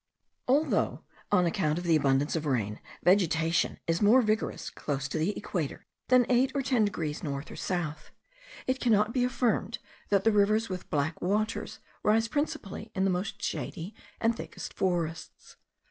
Although, on account of the abundance of rain, vegetation is more vigorous close to the equator than eight or ten degrees north or south, it cannot be affirmed, that the rivers with black waters rise principally in the most shady and thickest forests.